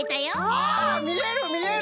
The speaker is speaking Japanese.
あみえるみえる！